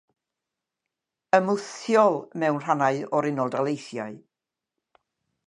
Ymwthiol mewn rhannau o'r Unol Daleithiau.